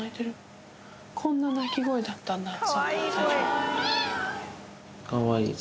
こんな鳴き声だったんだ。